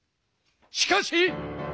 しかし！